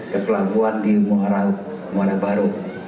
ke pelakuan di muara baru